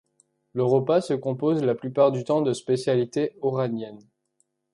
Le repas se compose la plupart du temps de spécialités oraniennes.